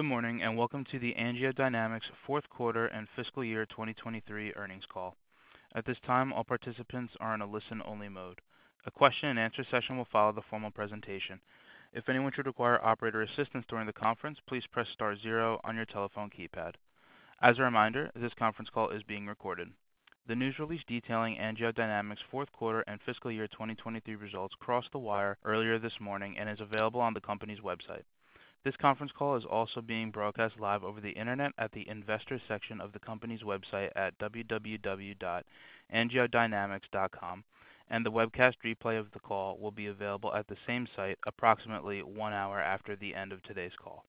Good morning, and welcome to the AngioDynamics Q4 and fiscal year 2023 earnings call. At this time, all participants are in a listen-only mode. A question-and-answer session will follow the formal presentation. If anyone should require operator assistance during the conference, please press star zero on your telephone keypad. As a reminder, this conference call is being recorded. The news release detailing AngioDynamics' Q4 and fiscal year 2023 results crossed the wire earlier this morning and is available on the company's website. This conference call is also being broadcast live over the Internet at the Investors section of the company's website at www.angiodynamics.com, and the webcast replay of the call will be available at the same site approximately one hour after the end of today's call.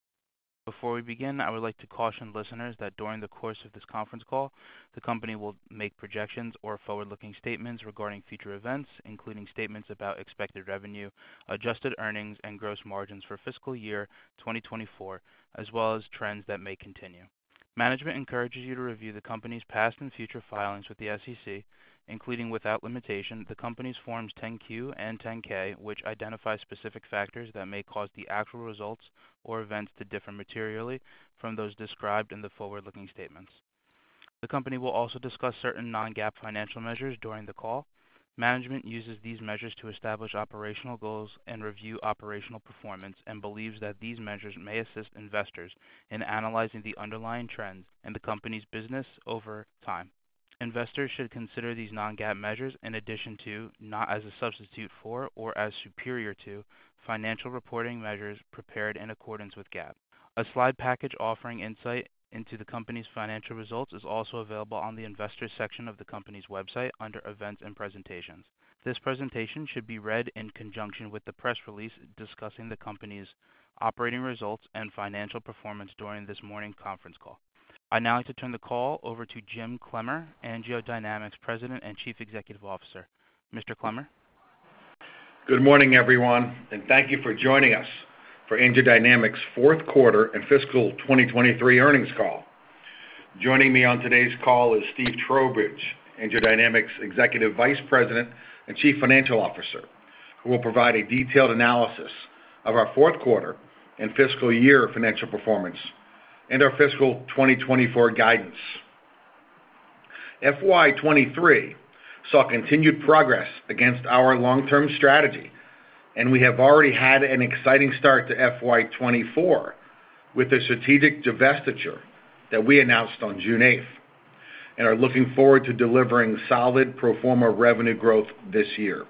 Before we begin, I would like to caution listeners that during the course of this conference call, the company will make projections or forward-looking statements regarding future events, including statements about expected revenue, adjusted earnings, and gross margins for fiscal year 2024, as well as trends that may continue. Management encourages you to review the company's past and future filings with the SEC, including, without limitation, the company's Form 10-Q and Form 10-K, which identify specific factors that may cause the actual results or events to differ materially from those described in the forward-looking statements. The company will also discuss certain non-GAAP financial measures during the call. Management uses these measures to establish operational goals and review operational performance and believes that these measures may assist investors in analysing the underlying trends in the company's business over time. Investors should consider these non-GAAP measures in addition to, not as a substitute for or as superior to, financial reporting measures prepared in accordance with GAAP. A slide package offering insight into the company's financial results is also available on the Investors section of the company's website under Events and Presentations. This presentation should be read in conjunction with the press release discussing the company's operating results and financial performance during this morning's conference call. I'd now like to turn the call over to Jim Clemmer, AngioDynamics President and Chief Executive Officer. Mr. Clemmer? Good morning, everyone, and thank you for joining us for AngioDynamics' Q4 and fiscal 2023 earnings call. Joining me on today's call is Steve Trowbridge, AngioDynamics Executive Vice President and Chief Financial Officer, who will provide a detailed analysis of our Q4 and fiscal year financial performance and our fiscal 2024 guidance. FY 2023 saw continued progress against our long-term strategy, and we have already had an exciting start to FY 2024, with a strategic divestiture that we announced on June 8, and are looking forward to delivering solid pro forma revenue growth this year.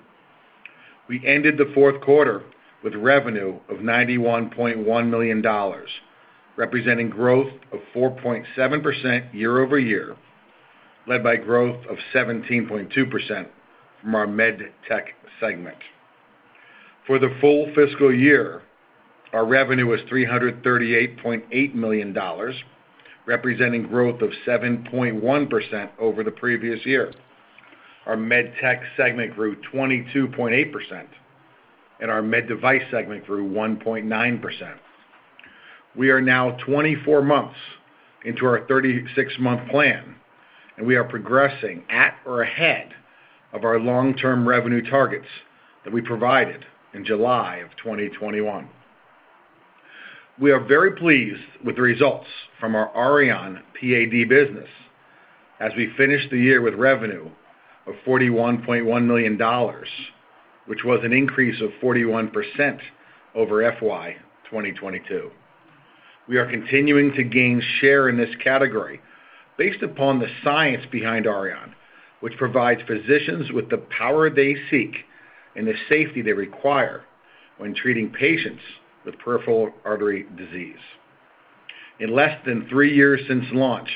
We ended the Q4 with revenue of $91.1 million, representing growth of 4.7% YoY, led by growth of 17.2% from our MedTech segment. For the full fiscal year, our revenue was $338.8 million, representing growth of 7.1% over the previous year. Our MedTech segment grew 22.8%, and our Med Device segment grew 1.9%. We are now 24 months into our 36-month plan, and we are progressing at or ahead of our long-term revenue targets that we provided in July of 2021. We are very pleased with the results from our Auryon PAD business as we finished the year with revenue of $41.1 million, which was an increase of 41% over FY 2022. We are continuing to gain share in this category based upon the science behind Auryon, which provides physicians with the power they seek and the safety they require when treating patients with peripheral artery disease. In less than three years since launch,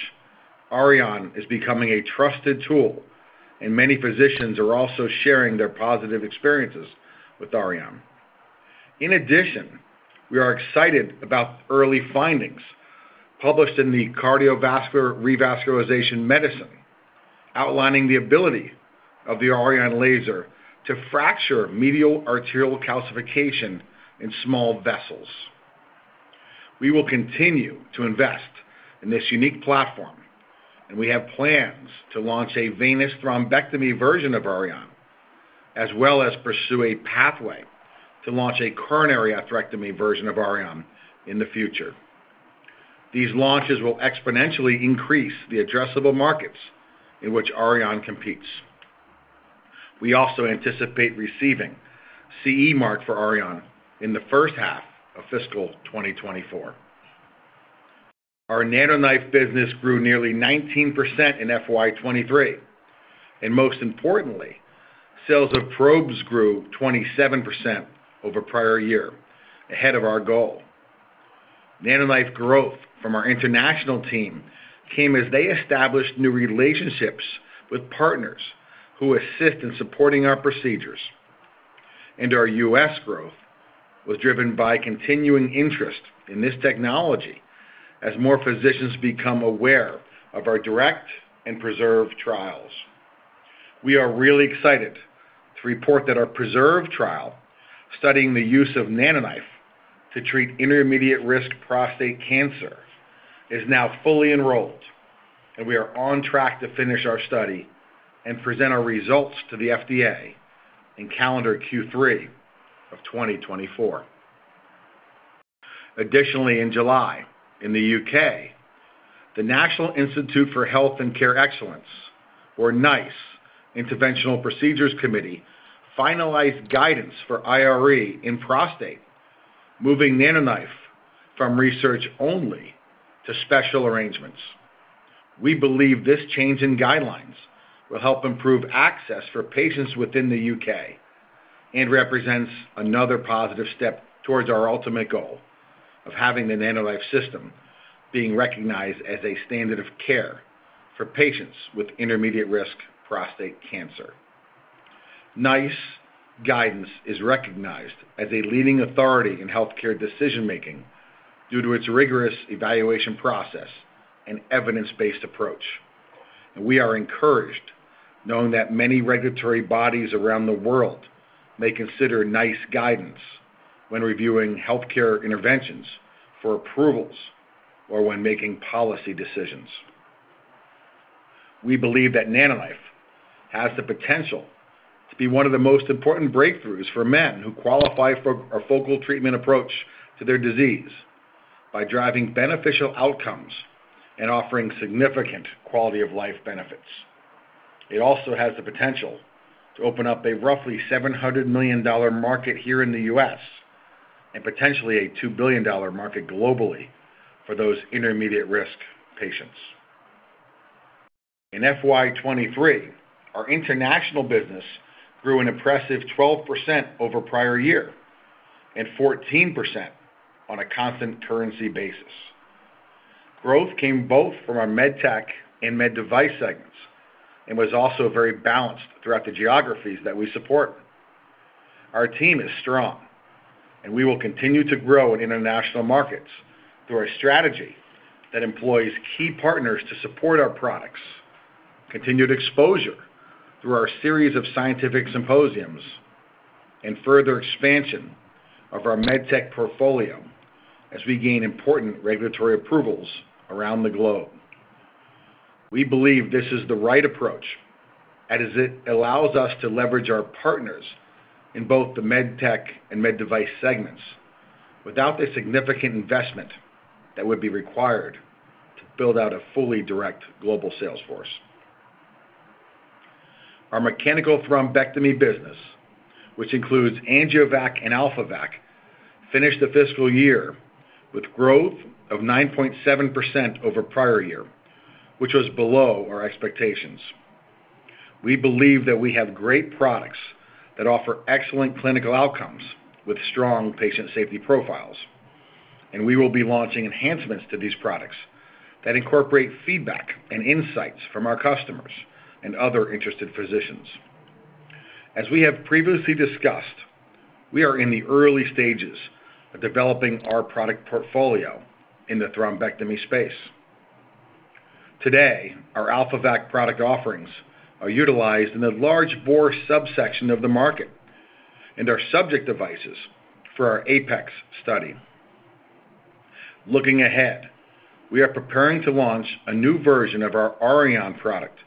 Auryon is becoming a trusted tool, and many physicians are also sharing their positive experiences with Auryon. We are excited about early findings published in the Cardiovascular Revascularization Medicine, outlining the ability of the Auryon laser to fracture medial arterial calcification in small vessels. We will continue to invest in this unique platform, and we have plans to launch a venous thrombectomy version of Auryon, as well as pursue a pathway to launch a coronary atherectomy version of Auryon in the future. These launches will exponentially increase the addressable markets in which Auryon competes. We also anticipate receiving CE mark for Auryon in the H1 of fiscal 2024. Our NanoKnife business grew nearly 19% in FY 2023, and most importantly, sales of probes grew 27% over prior year, ahead of our goal. NanoKnife growth from our international team came as they established new relationships with partners who assist in supporting our procedures. Our U.S. growth was driven by continuing interest in this technology as more physicians become aware of our DIRECT and PRESERVE trials. We are really excited to report that our PRESERVE trial, studying the use of NanoKnife to treat intermediate risk prostate cancer is now fully enrolled, and we are on track to finish our study and present our results to the FDA in calendar Q3 of 2024. Additionally, in July, in the U.K., the National Institute for Health and Care Excellence, or NICE, Interventional Procedures Committee, finalised guidance for IRE in prostate, moving NanoKnife from research only to special arrangements. We believe this change in guidelines will help improve access for patients within the U.K. and represents another positive step towards our ultimate goal of having the NanoKnife system being recognised as a standard of care for patients with intermediate-risk prostate cancer. NICE guidance is recognised as a leading authority in healthcare decision-making due to its rigorous evaluation process and evidence-based approach. We are encouraged, knowing that many regulatory bodies around the world may consider NICE guidance when reviewing healthcare interventions for approvals or when making policy decisions. We believe that NanoKnife has the potential to be one of the most important breakthroughs for men who qualify for a focal treatment approach to their disease by driving beneficial outcomes and offering significant quality of life benefits. It also has the potential to open up a roughly $700 million market here in the U.S., and potentially a $2 billion market globally for those intermediate risk patients. In FY 2023, our international business grew an impressive 12% over prior year, and 14% on a constant currency basis. Growth came both from our MedTech and Med Device segments, and was also very balanced throughout the geographies that we support. Our team is strong, and we will continue to grow in international markets through a strategy that employs key partners to support our products, continued exposure through our series of scientific symposiums, and further expansion of our MedTech portfolio as we gain important regulatory approvals around the globe. We believe this is the right approach, as it allows us to leverage our partners in both the Med Tech and Med Device segments without the significant investment that would be required to build out a fully direct global sales force. Our mechanical thrombectomy business, which includes AngioVac and AlphaVac, finished the fiscal year with growth of 9.7% over prior year, which was below our expectations. We believe that we have great products that offer excellent clinical outcomes with strong patient safety profiles, and we will be launching enhancements to these products that incorporate feedback and insights from our customers and other interested physicians. As we have previously discussed, we are in the early stages of developing our product portfolio in the thrombectomy space. Today, our AlphaVac product offerings are utilised in the large bore subsection of the market and are subject devices for our APEX study. Looking ahead, we are preparing to launch a new version of our Auryon product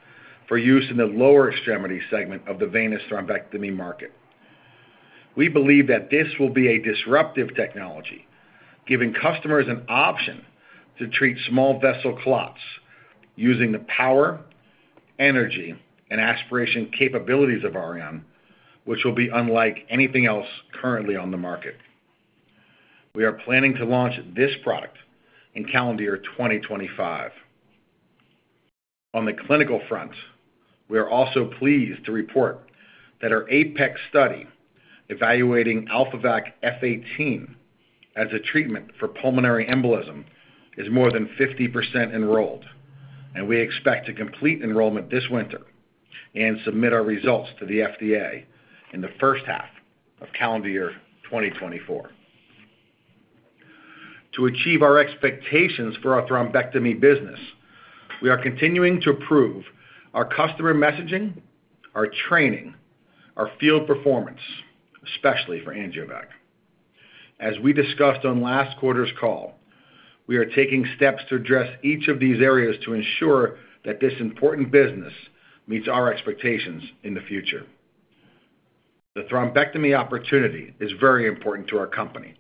for use in the lower extremity segment of the venous thrombectomy market. We believe that this will be a disruptive technology, giving customers an option to treat small vessel clots using the power, energy, and aspiration capabilities of Auryon, which will be unlike anything else currently on the market. We are planning to launch this product in calendar year 2025. On the clinical front, we are also pleased to report that our APEX study, evaluating AlphaVac F18 as a treatment for pulmonary embolism, is more than 50% enrolled, and we expect to complete enrolment this winter and submit our results to the FDA in the H1 of calendar year 2024. To achieve our expectations for our thrombectomy business, we are continuing to improve our customer messaging, our training, our field performance, especially for AngioVac. As we discussed on last quarter's call, we are taking steps to address each of these areas to ensure that this important business meets our expectations in the future. The thrombectomy opportunity is very important to our company,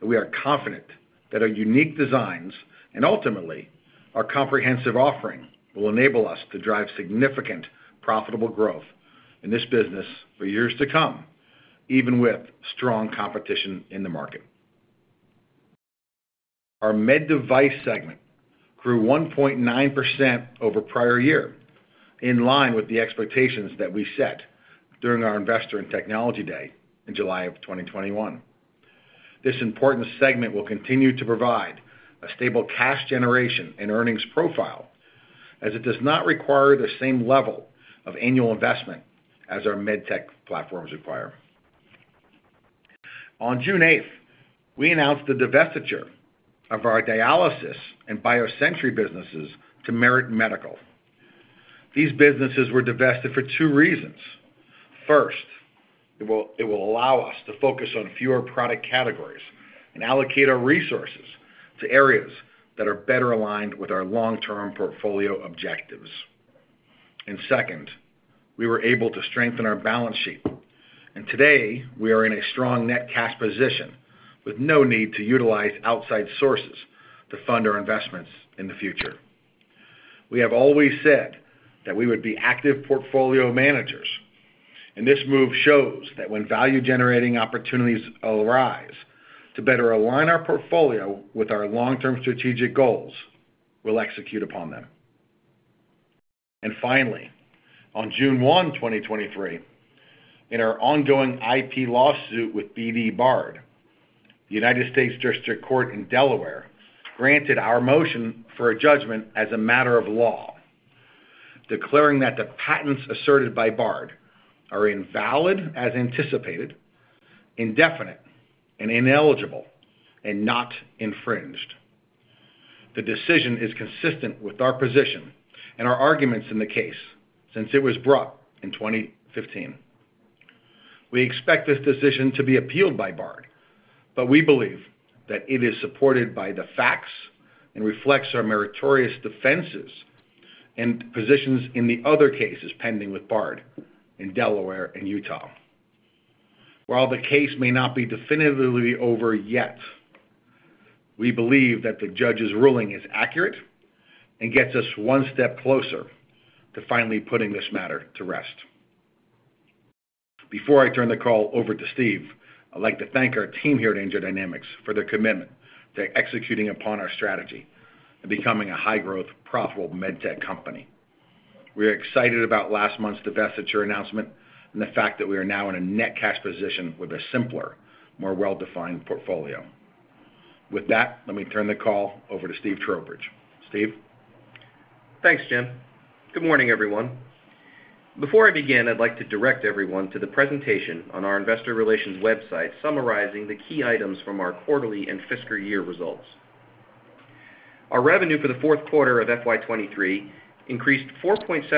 and we are confident that our unique designs and ultimately our comprehensive offering, will enable us to drive significant profitable growth in this business for years to come, even with strong competition in the market. Our Med Device segment grew 1.9% over prior year, in line with the expectations that we set during our Investor and Technology Day in July of 2021. This important segment will continue to provide a stable cash generation and earnings profile, as it does not require the same level of annual investment as our MedTech platforms require. On June eighth, we announced the divestiture of our dialysis and BioSentry businesses to Merit Medical. These businesses were divested for two reasons. First, it will allow us to focus on fewer product categories and allocate our resources to areas that are better aligned with our long-term portfolio objectives. Second, we were able to strengthen our balance sheet, and today, we are in a strong net cash position, with no need to utilise outside sources to fund our investments in the future. We have always said that we would be active portfolio managers, and this move shows that when value-generating opportunities arise to better align our portfolio with our long-term strategic goals, we'll execute upon them. Finally, on June 1, 2023, in our ongoing IP lawsuit with BD Bard, the United States District Court in Delaware granted our motion for a judgment as a matter of law, declaring that the patents asserted by Bard are invalid as anticipated, indefinite and ineligible, and not infringed. The decision is consistent with our position and our arguments in the case since it was brought in 2015. We expect this decision to be appealed by Bard, but we believe that it is supported by the facts and reflects our meritorious defences and positions in the other cases pending with Bard in Delaware and Utah. While the case may not be definitively over yet, we believe that the judge's ruling is accurate and gets us one step closer to finally putting this matter to rest. Before I turn the call over to Steve, I'd like to thank our team here at AngioDynamics for their commitment to executing upon our strategy and becoming a high-growth, profitable med-tech company. We are excited about last month's divestiture announcement and the fact that we are now in a net cash position with a simpler, more well-defined portfolio. With that, let me turn the call over to Steve Trowbridge. Steve? Thanks, Jim. Good morning, everyone. Before I begin, I'd like to direct everyone to the presentation on our investor relations website, summarising the key items from our quarterly and fiscal year results. Our revenue for the Q4 of FY 23 increased 4.7%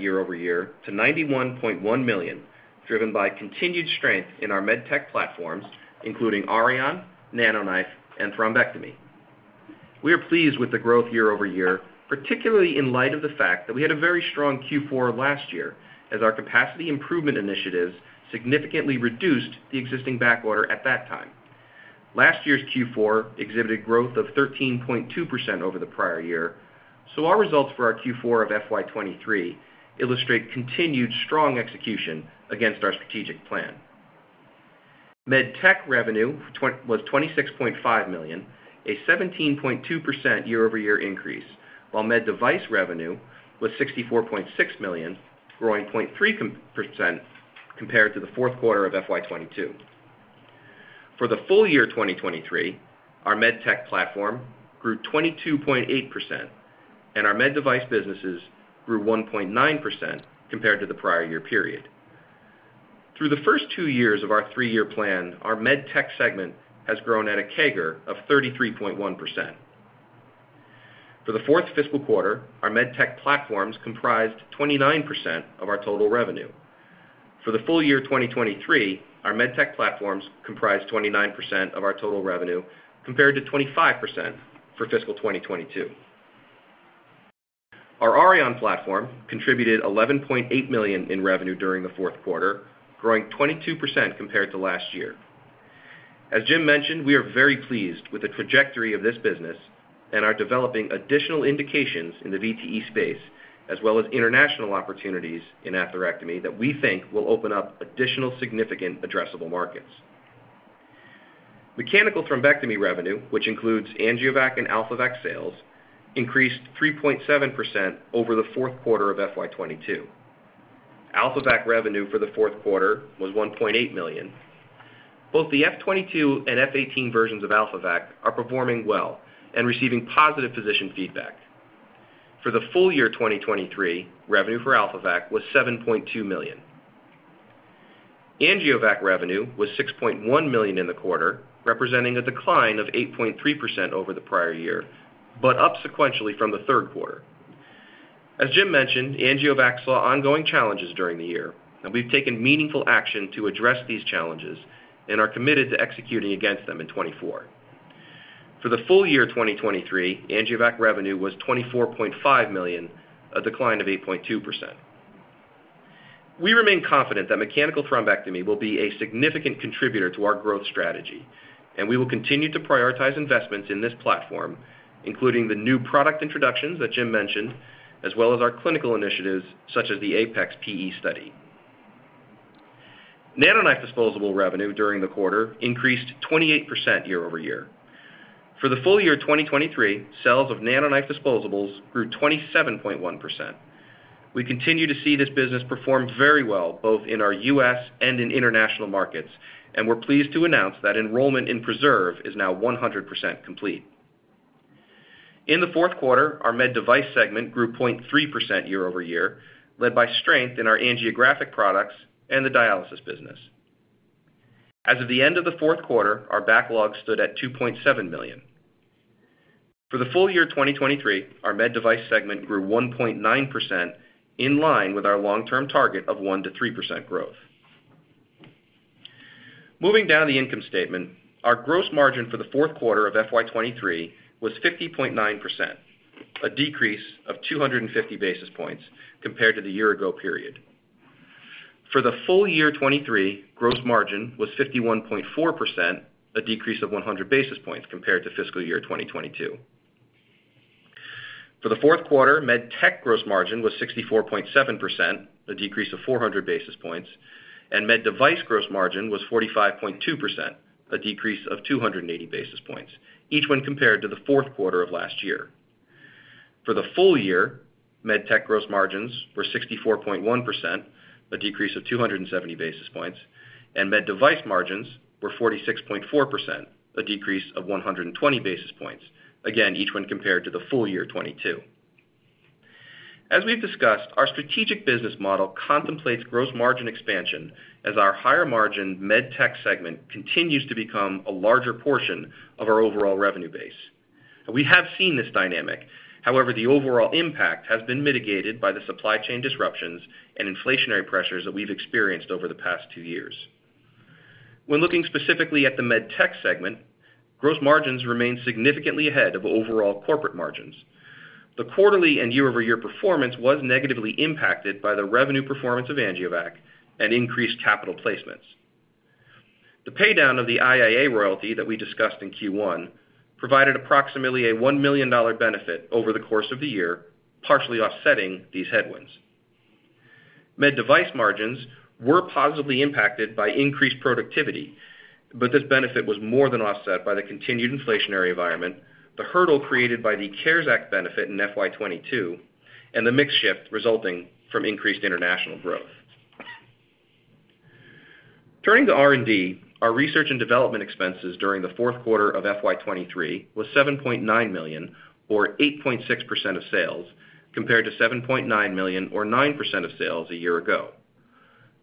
YoY to $91.1 million, driven by continued strength in our med-tech platforms, including Auryon, NanoKnife, and thrombectomy. We are pleased with the growth YoY, particularly in light of the fact that we had a very strong Q4 last year, as our capacity improvement initiatives significantly reduced the existing backorder at that time. Last year's Q4 exhibited growth of 13.2% over the prior year. Our results for our Q4 of FY 2023 illustrate continued strong execution against our strategic plan. Med Tech revenue was $26.5 million, a 17.2% YoY increase, while Med Device revenue was $64.6 million, growing 0.3% compared to the Q4 of FY 2022. For the full year 2023, our Med Tech platform grew 22.8%, and our Med Device businesses grew 1.9% compared to the prior year period. Through the first two years of our 3-year plan, our Med Tech segment has grown at a CAGR of 33.1%. For the fourth fiscal quarter, our Med Tech platforms comprised 29% of our total revenue. For the full year 2023, our Med Tech platforms comprised 29% of our total revenue, compared to 25% for fiscal 2022. Our Auryon platform contributed $11.8 million in revenue during the Q4, growing 22% compared to last year. As Jim mentioned, we are very pleased with the trajectory of this business and are developing additional indications in the VTE space, as well as international opportunities in atherectomy that we think will open up additional significant addressable markets. Mechanical thrombectomy revenue, which includes AngioVac and AlphaVac sales, increased 3.7% over the Q4 of FY 2022. AlphaVac revenue for the Q4 was $1.8 million. Both the F-22 and F-18 versions of AlphaVac are performing well and receiving positive physician feedback. For the full year 2023, revenue for AlphaVac was $7.2 million. AngioVac revenue was $6.1 million in the quarter, representing a decline of 8.3% over the prior year, but up sequentially from the Q3. As Jim mentioned, AngioVac saw ongoing challenges during the year, and we've taken meaningful action to address these challenges and are committed to executing against them in 2024. For the full year 2023, AngioVac revenue was $24.5 million, a decline of 8.2%. We remain confident that mechanical thrombectomy will be a significant contributor to our growth strategy, and we will continue to prioritise investments in this platform, including the new product introductions that Jim mentioned, as well as our clinical initiatives such as the APEX PE study. NanoKnife disposable revenue during the quarter increased 28% YoY. For the full year 2023, sales of NanoKnife disposables grew 27.1%. We continue to see this business perform very well, both in our U.S. and in international markets. We're pleased to announce that enrolment in PRESERVE is now 100% complete. In the Q4, our Med Device segment grew 0.3% YoY, led by strength in our angiographic products and the dialysis business. As of the end of the Q4, our backlog stood at $2.7 million. For the full year 2023, our Med Device segment grew 1.9%, in line with our long-term target of 1%-3% growth. Moving down the income statement, our gross margin for the Q4 of FY 2023 was 50.9%, a decrease of 250 basis points compared to the year ago period. For the full year 2023, gross margin was 51.4%, a decrease of 100 basis points compared to fiscal year 2022. For the Q4, Med Tech gross margin was 64.7%, a decrease of 400 basis points, and Med Device gross margin was 45.2%, a decrease of 280 basis points, each when compared to the Q4 of last year. For the full year, Med Tech gross margins were 64.1%, a decrease of 270 basis points, and Med Device margins were 46.4%, a decrease of 120 basis points. Again, each when compared to the full year 2022. As we've discussed, our strategic business model contemplates gross margin expansion as our higher margin Med Tech segment continues to become a larger portion of our overall revenue base. We have seen this dynamic. However, the overall impact has been mitigated by the supply chain disruptions and inflationary pressures that we've experienced over the past two years. When looking specifically at the Med Tech segment, gross margins remain significantly ahead of overall corporate margins. The quarterly and YoY performance was negatively impacted by the revenue performance of AngioVac and increased capital placements. The paydown of the IAA royalty that we discussed in Q1 provided approximately a $1 million benefit over the course of the year, partially offsetting these headwinds. Med Device margins were positively impacted by increased productivity, but this benefit was more than offset by the continued inflationary environment, the hurdle created by the CARES Act benefit in FY 2022, and the mix shift resulting from increased international growth. Turning to R&D, our research and development expenses during the Q4 of FY 2023 was $7.9 million, or 8.6% of sales, compared to $7.9 million, or 9% of sales a year ago.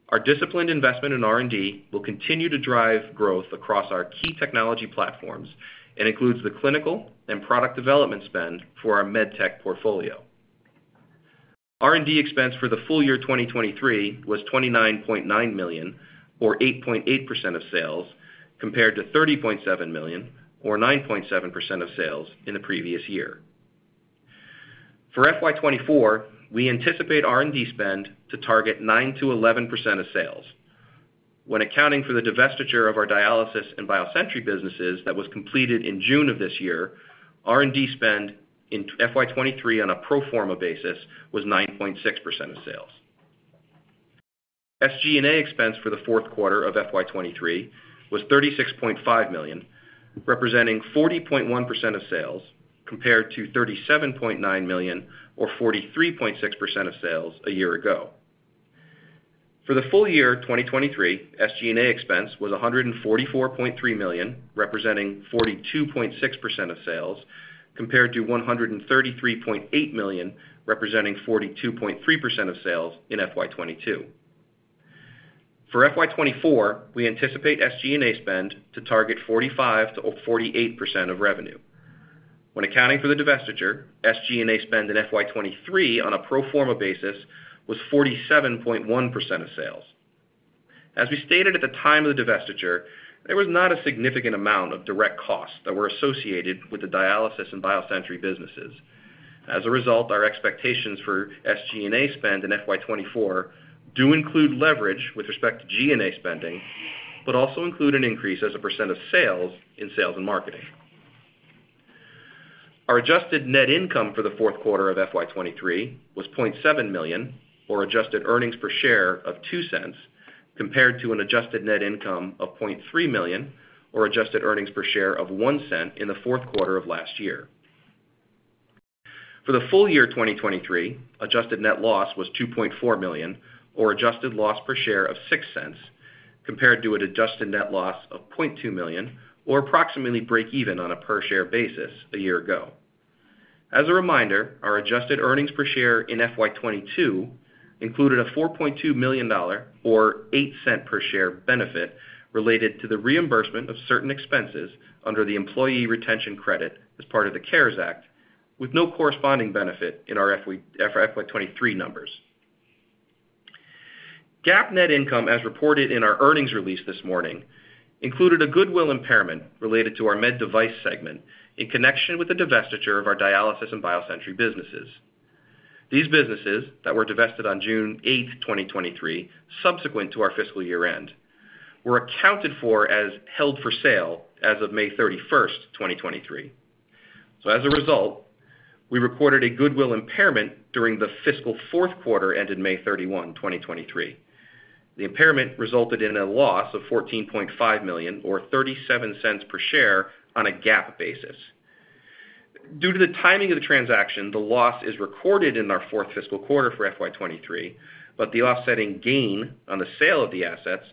Our disciplined investment in R&D will continue to drive growth across our key technology platforms and includes the clinical and product development spend for our Med Tech portfolio. R&D expense for the full year 2023 was $29.9 million, or 8.8% of sales, compared to $30.7 million, or 9.7% of sales in the previous year. For FY 2024, we anticipate R&D spend to target 9% to 11% of sales. When accounting for the divestiture of our dialysis and BioSentry businesses that was completed in June of this year, R&D spend in FY 2023 on a pro forma basis was 9.6% of sales. SG&A expense for the Q4 of FY 2023 was $36.5 million, representing 40.1% of sales, compared to $37.9 million or 43.6% of sales a year ago. For the full year 2023, SG&A expense was $144.3 million, representing 42.6% of sales, compared to $133.8 million, representing 42.3% of sales in FY 2022. For FY 2024, we anticipate SG&A spend to target 45%-48% of revenue. When accounting for the divestiture, SG&A spend in FY 2023 on a pro forma basis was 47.1% of sales. As we stated at the time of the divestiture, there was not a significant amount of direct costs that were associated with the dialysis and BioSentry businesses. As a result, our expectations for SG&A spend in FY 2024 do include leverage with respect to G&A spending, but also include an increase as a percent of sales in sales and marketing. Our adjusted net income for the Q4 of FY 2023 was $0.7 million, or adjusted earnings per share of $0.02, compared to an adjusted net income of $0.3 million, or adjusted earnings per share of $0.01 in the Q4 of last year. For the full year 2023, adjusted net loss was $2.4 million, or adjusted loss per share of $0.06, compared to an adjusted net loss of $0.2 million, or approximately break even on a per share basis a year ago. As a reminder, our adjusted earnings per share in FY 2022 included a $4.2 million, or $0.08 per share benefit, related to the reimbursement of certain expenses under the Employee Retention Credit as part of the CARES Act, with no corresponding benefit in our FY 2023 numbers. GAAP net income, as reported in our earnings release this morning, included a goodwill impairment related to our Med Device segment in connection with the divestiture of our dialysis and BioSentry businesses. These businesses that were divested on June 8, 2023, subsequent to our fiscal year-end, were accounted for as held for sale as of May 31, 2023. As a result, we recorded a goodwill impairment during the fiscal Q4, ended May 31, 2023. The impairment resulted in a loss of $14.5 million, or $0.37 per share on a GAAP basis. Due to the timing of the transaction, the loss is recorded in our fourth fiscal quarter for FY 2023, the offsetting gain on the sale of the assets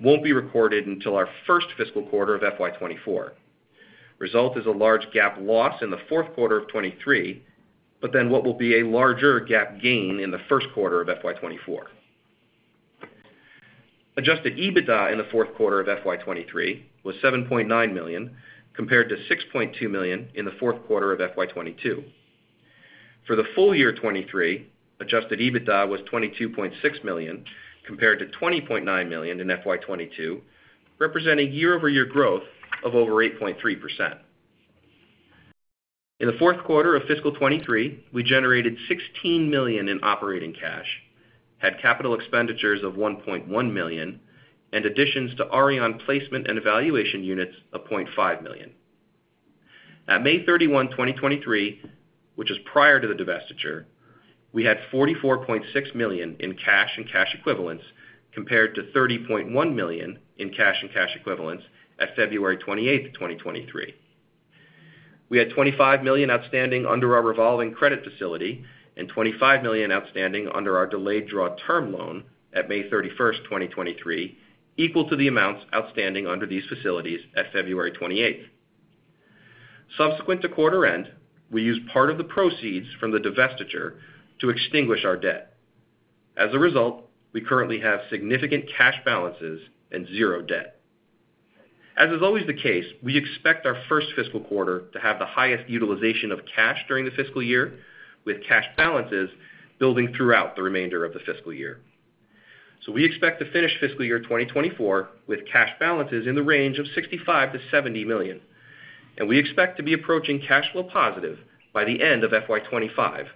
won't be recorded until our first fiscal quarter of FY 2024. Result is a large GAAP loss in the Q4 of 2023, what will be a larger GAAP gain in the Q1 of FY 2024. Adjusted EBITDA in the Q4 of FY 2023 was $7.9 million, compared to $6.2 million in the Q4 of FY 2022. For the full year 2023, adjusted EBITDA was $22.6 million, compared to $20.9 million in FY 2022, representing YoY growth of over 8.3%. In the Q4 of fiscal 2023, we generated $16 million in operating cash, had capital expenditures of $1.1 million, and additions to Auryon placement and evaluation units of $0.5 million. At May 31, 2023, which is prior to the divestiture, we had $44.6 million in cash and cash equivalents, compared to $30.1 million in cash and cash equivalents at February 28, 2023. We had $25 million outstanding under our revolving credit facility and $25 million outstanding under our delayed draw term loan at May 31st, 2023, equal to the amounts outstanding under these facilities at February 28th. Subsequent to quarter end, we used part of the proceeds from the divestiture to extinguish our debt. As a result, we currently have significant cash balances and 0 debt. As is always the case, we expect our 1st fiscal quarter to have the highest utilisation of cash during the fiscal year, with cash balances building throughout the remainder of the fiscal year. We expect to finish fiscal year 2024 with cash balances in the range of $65 million to $70 million, and we expect to be approaching cash flow positive by the end of FY 2025,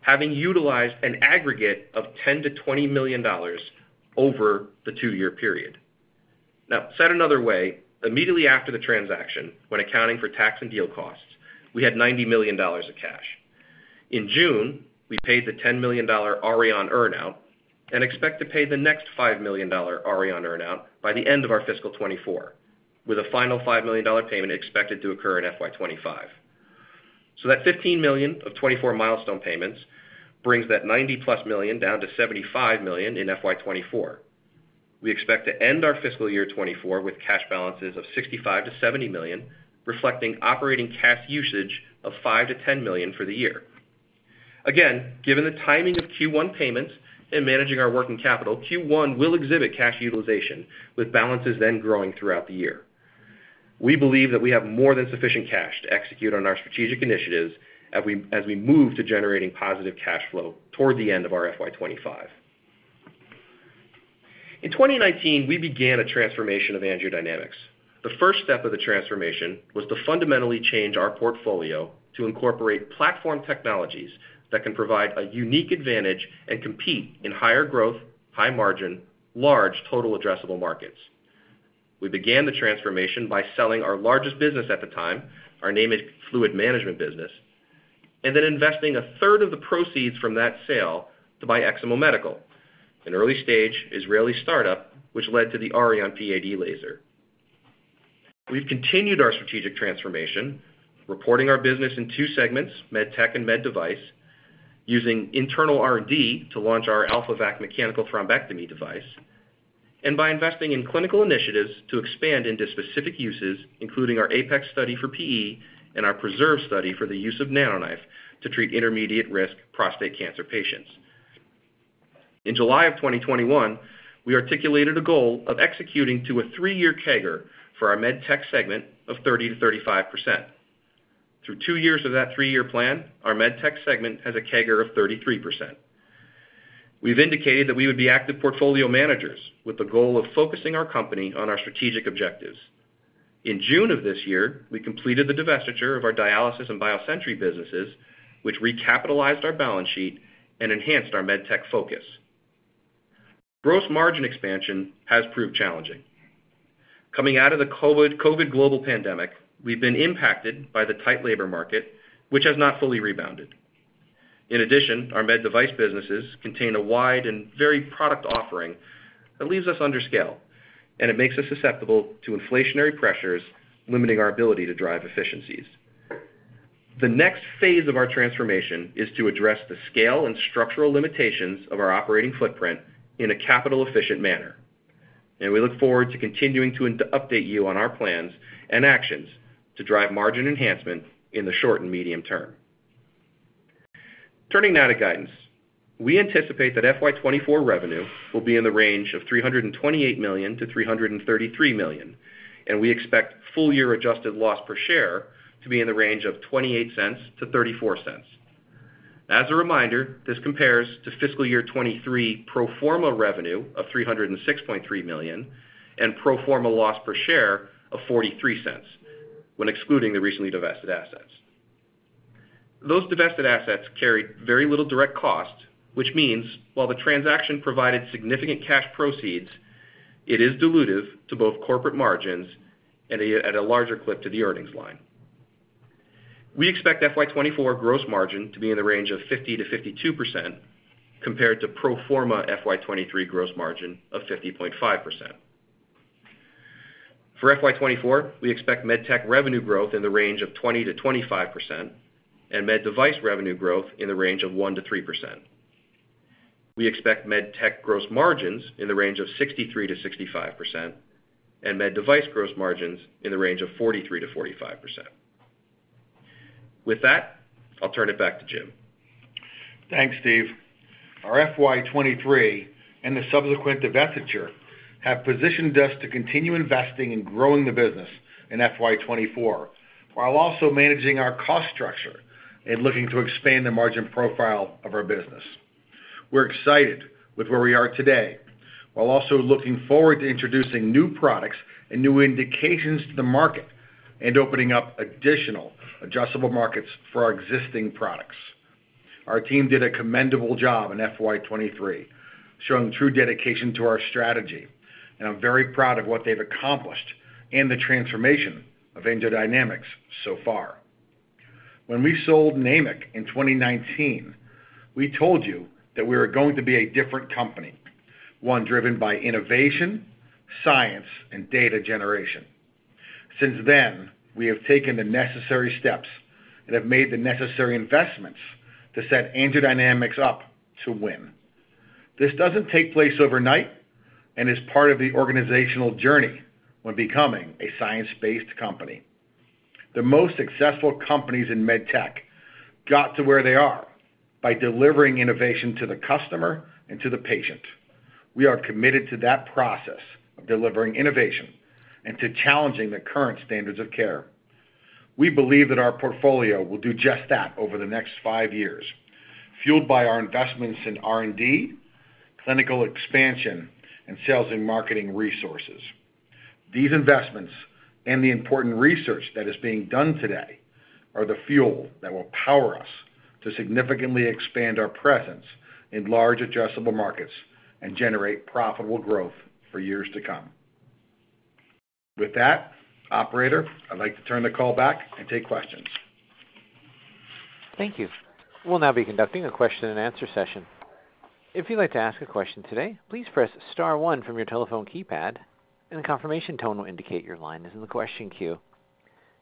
having utilised an aggregate of $10 million to $20 million over the two-year period. Said another way, immediately after the transaction, when accounting for tax and deal costs, we had $90 million of cash. In June, we paid the $10 million Auryon earn-out and expect to pay the next $5 million Auryon earn-out by the end of our fiscal 2024, with a final $5 million payment expected to occur in FY 2025. That $15 million of 2024 milestone payments brings that $90+ million down to $75 million in FY 2024. We expect to end our fiscal year 2024 with cash balances of $65 million to $70 million, reflecting operating cash usage of $5 million to $10 million for the year. Given the timing of Q1 payments and managing our working capital, Q1 will exhibit cash utilisation, with balances then growing throughout the year. We believe that we have more than sufficient cash to execute on our strategic initiatives as we move to generating positive cash flow toward the end of our FY 25. In 2019, we began a transformation of AngioDynamics. The first step of the transformation was to fundamentally change our portfolio to incorporate platform technologies that can provide a unique advantage and compete in higher growth, high margin, large total addressable markets. We began the transformation by selling our largest business at the time, our NAMIC Fluid Management Business, and then investing a third of the proceeds from that sale to buy Eximo Medical, an early-stage Israeli start-up, which led to the Auryon PAD laser. We've continued our strategic transformation, reporting our business in two segments, MedTech and Med Device, using internal R&D to launch our AlphaVac mechanical thrombectomy device, and by investing in clinical initiatives to expand into specific uses, including our APEX study for PE and our PRESERVE study for the use of NanoKnife to treat intermediate risk prostate cancer patients. In July of 2021, we articulated a goal of executing to a 3-year CAGR for our MedTech segment of 30% to 35%. Through two years of that 3-year plan, our MedTech segment has a CAGR of 33%. We've indicated that we would be active portfolio managers with the goal of focusing our company on our strategic objectives. In June of this year, we completed the divestiture of our dialysis and BioSentry businesses, which recapitalised our balance sheet and enhanced our MedTech focus. Gross margin expansion has proved challenging. Coming out of the COVID global pandemic, we've been impacted by the tight labor market, which has not fully rebounded. Our Med Device businesses contain a wide and varied product offering that leaves us under scale, and it makes us susceptible to inflationary pressures, limiting our ability to drive efficiencies. The next phase of our transformation is to address the scale and structural limitations of our operating footprint in a capital-efficient manner. We look forward to continuing to update you on our plans and actions to drive margin enhancement in the short and medium term. Turning now to guidance. We anticipate that FY 2024 revenue will be in the range of $328 million to $333 million. We expect full-year adjusted loss per share to be in the range of $0.28 to $0.34. As a reminder, this compares to fiscal year 2023 pro forma revenue of $306.3 million and pro forma loss per share of $0.43, when excluding the recently divested assets. Those divested assets carried very little direct cost, which means while the transaction provided significant cash proceeds, it is dilutive to both corporate margins at a larger clip to the earnings line. We expect FY 2024 gross margin to be in the range of 50% to 52%, compared to pro forma FY 2023 gross margin of 50.5%. For FY 2024, we expect MedTech revenue growth in the range of 20%-25% and Med Device revenue growth in the range of 1% to 3%. We expect Med Tech gross margins in the range of 63% to 65%. Med Device gross margins in the range of 43% to 45%. With that, I'll turn it back to Jim. Thanks, Steve. Our FY 2023 and the subsequent divestiture have positioned us to continue investing and growing the business in FY 2024, while also managing our cost structure and looking to expand the margin profile of our business. We're excited with where we are today, while also looking forward to introducing new products and new indications to the market, and opening up additional adjustable markets for our existing products. Our team did a commendable job in FY 2023, showing true dedication to our strategy, and I'm very proud of what they've accomplished and the transformation of AngioDynamics so far. When we sold NAMIC in 2019, we told you that we were going to be a different company, one driven by innovation, science, and data generation. Since then, we have taken the necessary steps and have made the necessary investments to set AngioDynamics up to win. This doesn't take place overnight and is part of the organisational journey when becoming a science-based company. The most successful companies in med tech got to where they are by delivering innovation to the customer and to the patient. We are committed to that process of delivering innovation and to challenging the current standards of care. We believe that our portfolio will do just that over the next five years, fuelled by our investments in R&D, clinical expansion, and sales and marketing resources. These investments and the important research that is being done today are the fuel that will power us to significantly expand our presence in large, adjustable markets and generate profitable growth for years to come. With that, Operator, I'd like to turn the call back and take questions. Thank you. We'll now be conducting a question-and-answer session. If you'd like to ask a question today, please press star one from your telephone keypad, and a confirmation tone will indicate your line is in the question queue.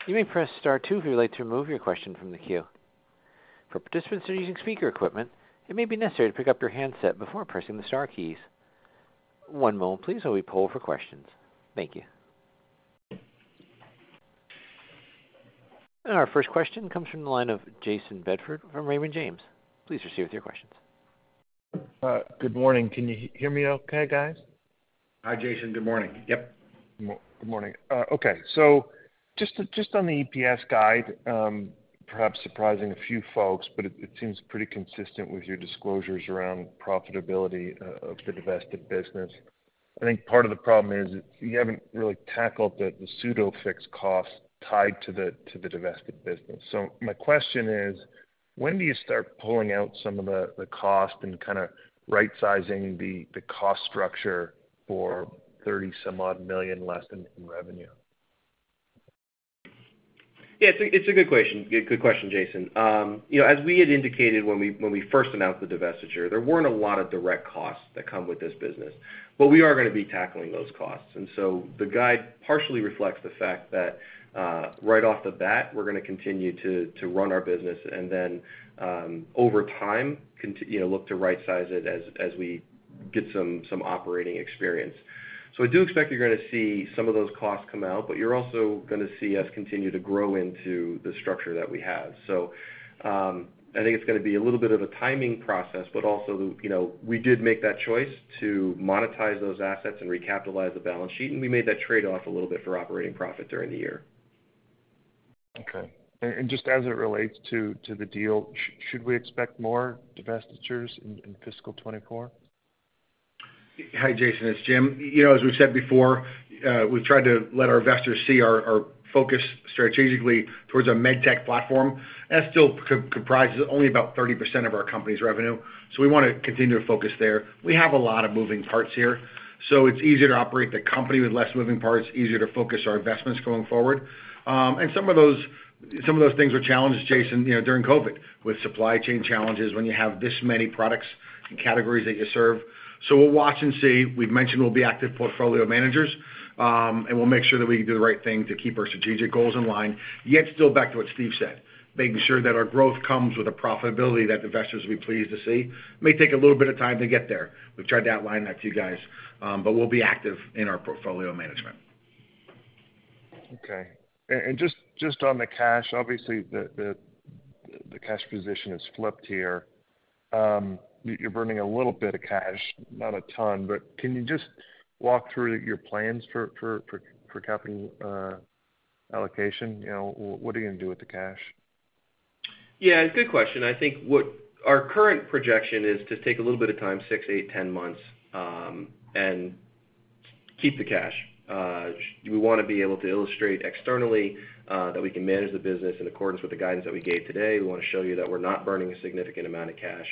You may press Star two if you'd like to remove your question from the queue. For participants who are using speaker equipment, it may be necessary to pick up your handset before pressing the star keys. One moment please, while we poll for questions. Thank you. Our first question comes from the line of Jayson Bedford from Raymond James. Please proceed with your questions. Good morning. Can you hear me okay, guys? Hi, Jayson. Good morning. Yep. Good morning. Okay, so just on the EPS guide, perhaps surprising a few folks, but it seems pretty consistent with your disclosures around profitability of the divested business. I think part of the problem is you haven't really tackled the pseudo fixed costs tied to the divested business. My question is: when do you start pulling out some of the cost and kind of right sizing the cost structure for $30-some odd million less than in revenue? It's a good question. Good question, Jayson. You know, as we had indicated when we first announced the divestiture, there weren't a lot of direct costs that come with this business, but we are going to be tackling those costs. The guide partially reflects the fact that right off the bat, we're going to continue to run our business and then over time, you know, look to rightsize it as we get some operating experience. I do expect you're going to see some of those costs come out, but you're also going to see us continue to grow into the structure that we have. I think it's going to be a little bit of a timing process, but also, you know, we did make that choice to monetise those assets and recapitalise the balance sheet, and we made that trade-off a little bit for operating profit during the year. Okay. just as it relates to the deal, should we expect more divestitures in fiscal 24? Hi, Jayson, it's Jim. You know, as we've said before, we've tried to let our investors see our focus strategically towards our Med Tech platform. That still comprises only about 30% of our company's revenue, so we want to continue to focus there. We have a lot of moving parts here, so it's easier to operate the company with less moving parts, easier to focus our investments going forward. Some of those things were challenged, Jayson, you know, during COVID, with supply chain challenges when you have this many products and categories that you serve. We'll watch and see. We've mentioned we'll be active portfolio managers, and we'll make sure that we do the right thing to keep our strategic goals in line. Still, back to what Steve said, making sure that our growth comes with a profitability that investors will be pleased to see. May take a little bit of time to get there. We've tried to outline that to you guys, we'll be active in our portfolio management. Okay. Just on the cash, obviously, the cash position is flipped here. You're burning a little bit of cash, not a ton. Can you just walk through your plans for capital allocation? You know, what are you going to do with the cash? Yeah, good question. I think what our current projection is to take a little bit of time, 6, 8, 10 months, and keep the cash. We want to be able to illustrate externally that we can manage the business in accordance with the guidance that we gave today. We want to show you that we're not burning a significant amount of cash.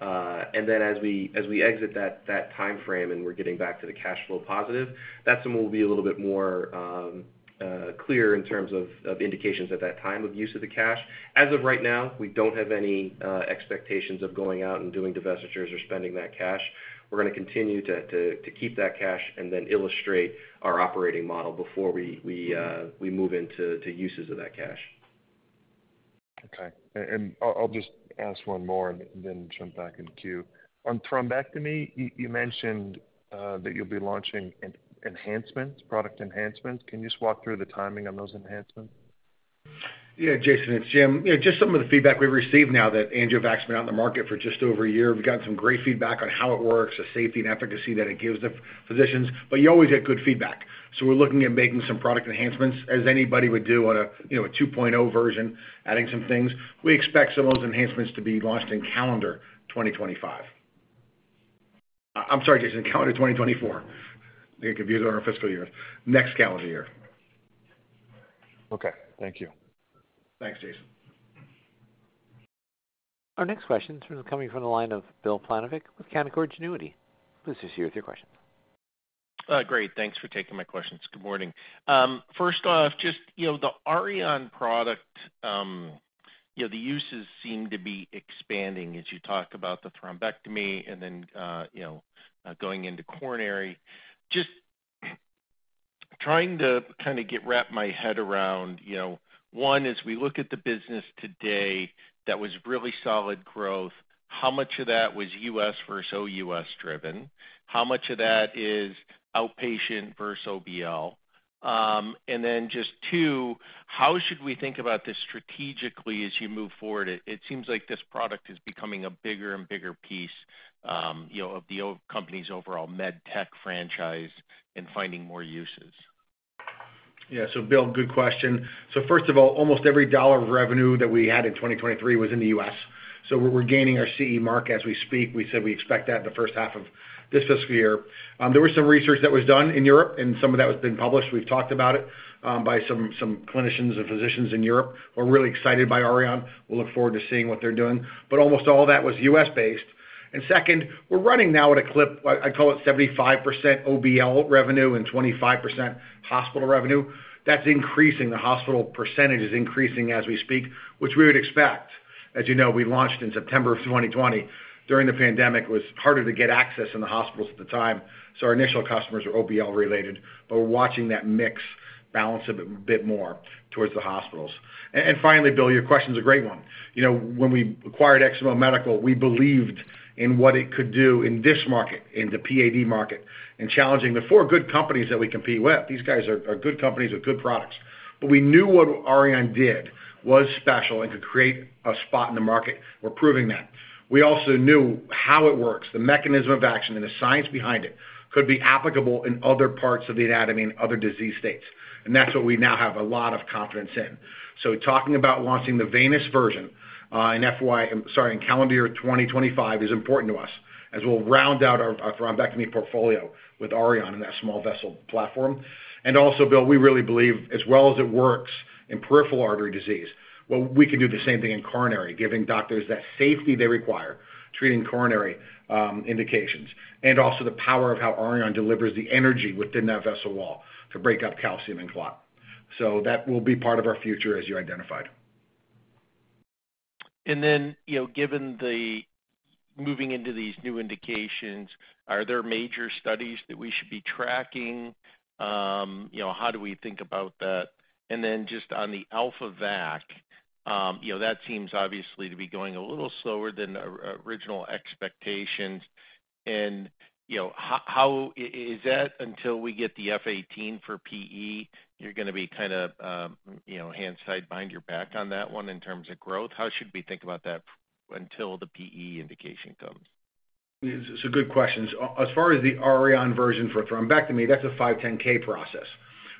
As we exit that time frame and we're getting back to the cash flow positive, that's when we'll be a little bit more clear in terms of indications at that time of use of the cash. As of right now, we don't have any expectations of going out and doing divestitures or spending that cash. We're going to continue to keep that cash and then illustrate our operating model before we move into uses of that cash. Okay, I'll just ask one more and then jump back in the queue. On thrombectomy, you mentioned that you'll be launching enhancements, product enhancements. Can you just walk through the timing on those enhancements? Yeah, Jayson, it's Jim. You know, just some of the feedback we've received now that AngioVac's been out in the market for just over a year, we've gotten some great feedback on how it works, the safety and efficacy that it gives the physicians, but you always get good feedback. We're looking at making some product enhancements, as anybody would do on a, you know, a 2.0 version, adding some things. We expect some of those enhancements to be launched in calendar 2025. I'm sorry, Jayson, calendar 2024. I get confused on our fiscal year. Next calendar year. Okay, thank you. Thanks, Jayson. Our next question is coming from the line of Bill Plovanic with Canaccord Genuity. Please proceed with your question. Great. Thanks for taking my questions. Good morning. First off, just, you know, the Auryon product, you know, the uses seem to be expanding as you talk about the thrombectomy and then, you know, going into coronary. Just trying to kind of wrap my head around, you know, 1, as we look at the business today, that was really solid growth, how much of that was U.S. versus OUS driven? How much of that is outpatient versus OBL? And then just 2, how should we think about this strategically as you move forward? It seems like this product is becoming a bigger and bigger piece, you know, of the company's overall Med Tech franchise and finding more uses. Yeah. Bill, good question. First of all, almost every dollar of revenue that we had in 2023 was in the U.S. We're gaining our CE mark as we speak. We said we expect that in the H1 of this fiscal year. There was some research that was done in Europe, some of that has been published. We've talked about it by some clinicians and physicians in Europe, who are really excited by Auryon. We'll look forward to seeing what they're doing. Almost all of that was U.S.-based. Second, we're running now at a clip, I call it 75% OBL revenue and 25% hospital revenue. That's increasing. The hospital percentage is increasing as we speak, which we would expect. As you know, we launched in September of 2020. During the pandemic, it was harder to get access in the hospitals at the time, so our initial customers were OBL-related, but we're watching that mix balance a bit more towards the hospitals. Finally, Bill, your question is a great one. You know, when we acquired Eximo Medical, we believed in what it could do in this market, in the PAD market, and challenging the four good companies that we compete with. These guys are good companies with good products. We knew what Auryon did was special and could create a spot in the market. We're proving that. We also knew how it works, the mechanism of action and the science behind it could be applicable in other parts of the anatomy and other disease states, and that's what we now have a lot of confidence in. Talking about launching the venous version, in calendar year 2025, is important to us as we'll round out our thrombectomy portfolio with Auryon in that small vessel platform. Bill, we really believe as well as it works in peripheral artery disease, well, we can do the same thing in coronary, giving doctors that safety they require, treating coronary indications, and also the power of how Auryon delivers the energy within that vessel wall to break up calcium and clot. That will be part of our future, as you identified. You know, given the moving into these new indications, are there major studies that we should be tracking? You know, how do we think about that? Just on the AlphaVac, you know, that seems obviously to be going a little slower than the original expectations. You know, how is that until we get the F 18 for PE, you're going to be kind of, you know, hands tied behind your back on that one in terms of growth? How should we think about that until the PE indication comes? Good questions. As far as the Auryon version for thrombectomy, that's a 510(k) process.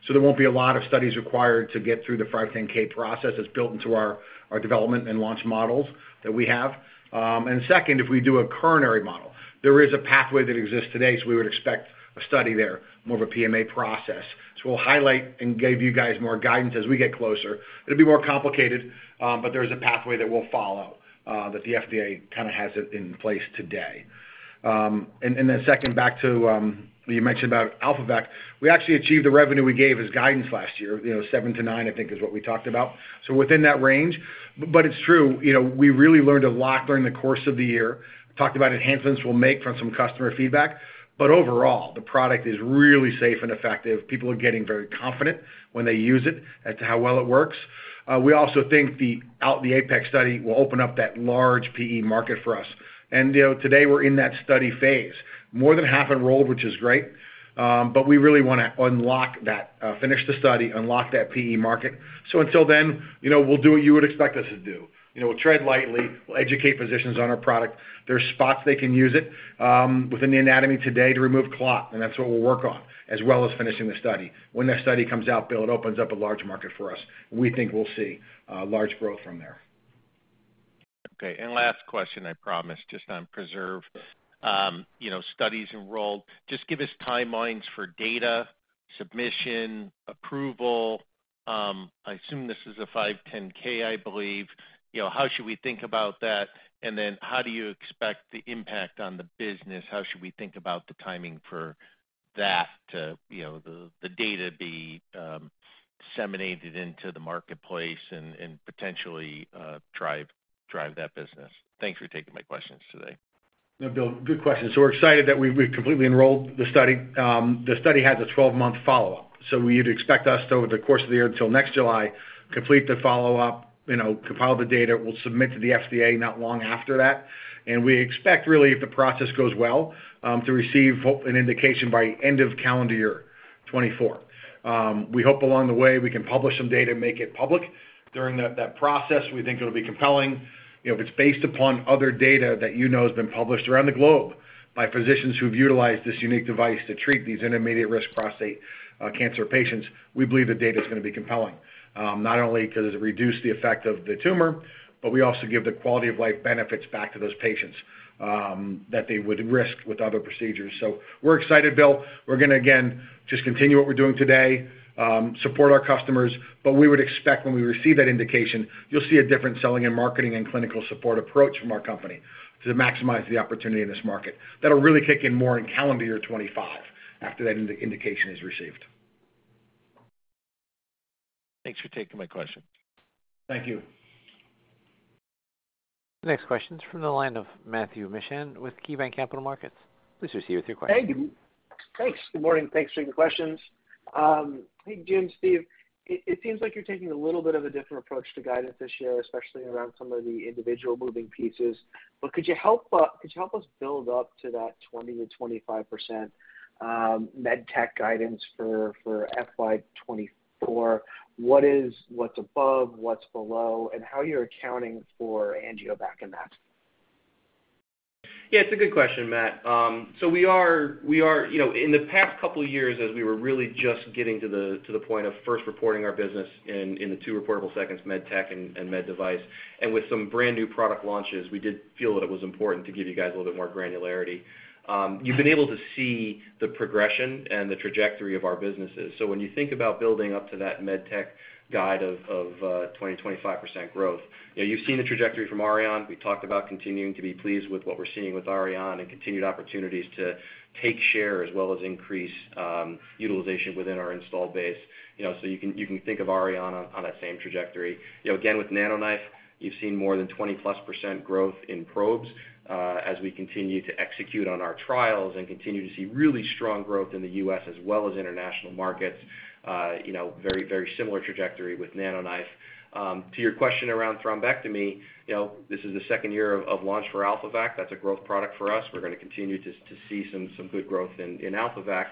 There won't be a lot of studies required to get through the 510(k) process. It's built into our development and launch models that we have. And second, if we do a coronary model, there is a pathway that exists today, we would expect a study there, more of a PMA process. We'll highlight and give you guys more guidance as we get closer. It'll be more complicated, but there is a pathway that we'll follow, that the FDA kind of has it in place today. And then second, back to, you mentioned about AlphaVac. We actually achieved the revenue we gave as guidance last year, you know, $7 million9 million, I think, is what we talked about. Within that range. It's true, you know, we really learned a lot during the course of the year. Talked about enhancements we'll make from some customer feedback. Overall, the product is really safe and effective. People are getting very confident when they use it as to how well it works. We also think the APEX study will open up that large PE market for us. You know, today we're in that study phase, more than half enrolled, which is great, but we really want to unlock that, finish the study, unlock that PE market. Until then, you know, we'll do what you would expect us to do. You know, we'll tread lightly. We'll educate physicians on our product. There's spots they can use it, within the anatomy today to remove clot, and that's what we'll work on, as well as finishing the study. When that study comes out, Bill, it opens up a large market for us. We think we'll see, large growth from there. Okay, last question, I promise, just on PRESERVE. You know, studies enrolled. Just give us timelines for data, submission, approval. I assume this is a 510(k), I believe. You know, how should we think about that? How do you expect the impact on the business? How should we think about the timing for that to, you know, the data be disseminated into the marketplace and potentially drive that business? Thanks for taking my questions today. No, Bill, good question. We're excited that we've completely enrolled the study. The study has a 12-month follow-up, so you'd expect us, over the course of the year until next July, complete the follow-up, you know, compile the data. We'll submit to the FDA not long after that. We expect, really, if the process goes well, to receive an indication by end of calendar year 2024. We hope along the way, we can publish some data and make it public during that process. We think it'll be compelling. You know, if it's based upon other data that you know has been published around the globe by physicians who've utilised this unique device to treat these intermediate-risk prostate cancer patients, we believe the data is gonna be compelling. Not only because it reduced the effect of the tumour, but we also give the quality of life benefits back to those patients that they would risk with other procedures. We're excited, Bill. We're gonna, again, just continue what we're doing today, support our customers. We would expect when we receive that indication, you'll see a different selling and marketing and clinical support approach from our company to maximize the opportunity in this market. That'll really kick in more in calendar year 25, after that indication is received. Thanks for taking my question. Thank you. Next question is from the line of Matthew Mishan with KeyBanc Capital Markets. Please proceed with your question. Hey, thanks. Good morning. Thanks for taking questions. Hey, Jim, Steve. It seems like you're taking a little bit of a different approach to guidance this year, especially around some of the individual moving pieces. Could you help us build up to that 20% to 25% Med Tech guidance for FY 2024? What's above, what's below, and how you're accounting for AngioVac in that? Yeah, it's a good question, Matt. You know, in the past couple of years, as we were really just getting to the point of first reporting our business in the two reportable segments, Med Tech and Med Device, and with some brand-new product launches, we did feel that it was important to give you guys a little bit more granularity. You've been able to see the progression and the trajectory of our businesses. When you think about building up to that Med Tech guide of 20 to 25% growth, you've seen the trajectory from Auryon. We talked about continuing to be pleased with what we're seeing with Auryon and continued opportunities to take share, as well as increase utilisation within our installed base. You know, you can think of Auryon on that same trajectory. You know, again, with NanoKnife, you've seen more than 20%+ growth in probes as we continue to execute on our trials and continue to see really strong growth in the US as well as international markets. You know, very similar trajectory with NanoKnife. To your question around thrombectomy, you know, this is the second year of launch for AlphaVac. That's a growth product for us. We're gonna continue to see some good growth in AlphaVac.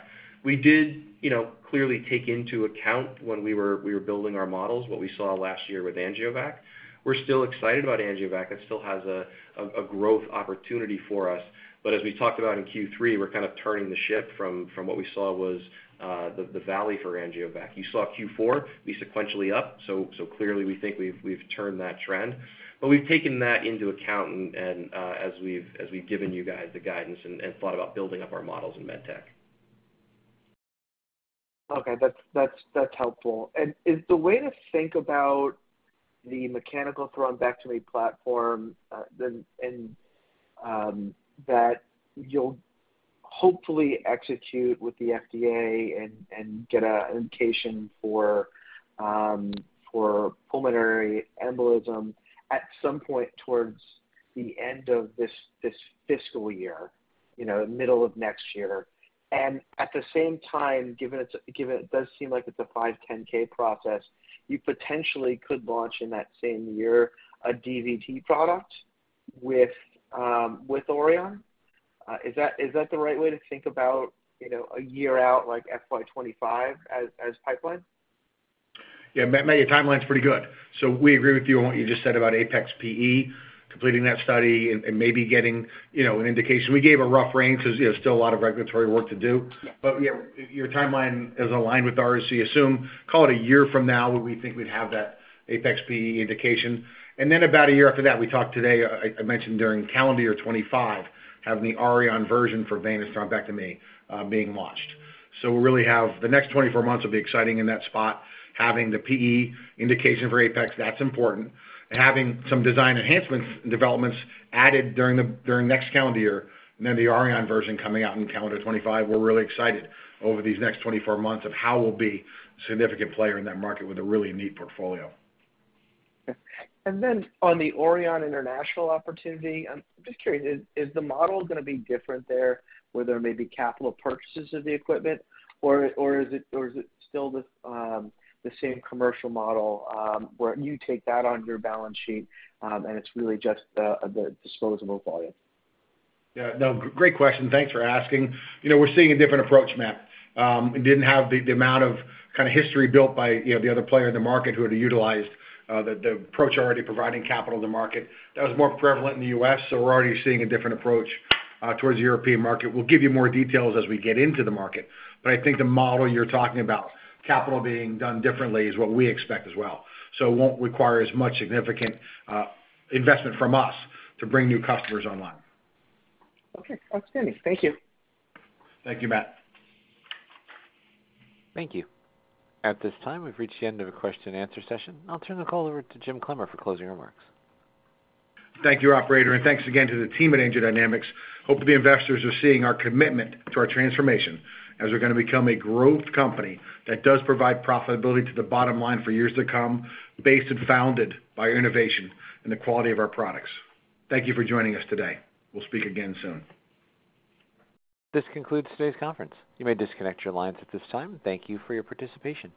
We did, you know, clearly take into account when we were building our models, what we saw last year with AngioVac. We're still excited about AngioVac. It still has a growth opportunity for us. As we talked about in Q3, we're kind of turning the ship from what we saw was the valley for AngioVac. You saw Q4 be sequentially up, clearly, we think we've turned that trend. We've taken that into account and as we've given you guys the guidance and thought about building up our models in Med Tech. Okay, that's helpful. Is the way to think about the mechanical thrombectomy platform, then, and that you'll hopefully execute with the FDA and get a indication for pulmonary embolism at some point towards the end of this fiscal year, you know, middle of next year, and at the same time, given it does seem like it's a 510(k) process, you potentially could launch in that same year, a DVT product with Auryon? Is that the right way to think about, you know, a year out, like FY 2025 as pipeline? Yeah, Matt, your timeline's pretty good. We agree with you on what you just said about APEX PE, completing that study and maybe getting, you know, an indication. We gave a rough range because, you know, still a lot of regulatory work to do. Yeah. Yeah, your timeline is aligned with ours, so you assume, call it a year from now, where we think we'd have that APEX PE indication. Then, about a year after that, we talked today, I mentioned during calendar year 2025, having the Auryon version for venous thrombectomy being launched. We really have. The next 24 months will be exciting in that spot, having the PE indication for APEX, that's important, and having some design enhancements and developments added during next calendar year, and then the Auryon version coming out in calendar 2025. We're really excited over these next 24 months of how we'll be a significant player in that market with a really neat portfolio. Okay. Then on the Auryon international opportunity, I'm just curious, is the model gonna be different there, where there may be capital purchases of the equipment, or is it still the same commercial model, where you take that on your balance sheet, and it's really just the disposable volume? Yeah. No, great question. Thanks for asking. You know, we're seeing a different approach, Matt. It didn't have the amount of kind of history built by, you know, the other player in the market who had utilised the approach already providing capital to market. That was more prevalent in the U.S. We're already seeing a different approach towards the European market. We'll give you more details as we get into the market. I think the model you're talking about, capital being done differently, is what we expect as well. It won't require as much significant investment from us to bring new customers online. Okay, outstanding. Thank you. Thank you, Matt. Thank you. At this time, we've reached the end of a question and answer session. I'll turn the call over to Jim Clemmer for closing remarks. Thank you, operator, and thanks again to the team at AngioDynamics. Hopefully, the investors are seeing our commitment to our transformation as we're gonna become a growth company that does provide profitability to the bottom line for years to come, based and founded by innovation and the quality of our products. Thank you for joining us today. We'll speak again soon. This concludes today's conference. You may disconnect your lines at this time. Thank you for your participation.